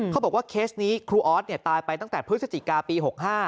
บอกว่าเคสนี้ครูออสตายไปตั้งแต่พฤศจิกาปี๖๕